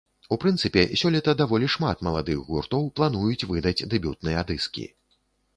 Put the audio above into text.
У прынцыпе, сёлета даволі шмат маладых гуртоў плануюць выдаць дэбютныя дыскі.